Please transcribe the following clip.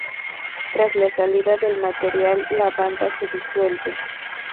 Tras la salida del material, la banda se disuelve.